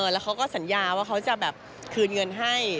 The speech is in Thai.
แล้วเขาก็สัญญาว่าเขาจะแบบคืนเงินให้